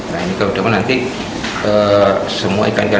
nah ini kebetulan nanti semua ikan ikan